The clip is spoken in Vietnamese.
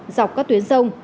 dọc các tuyến sông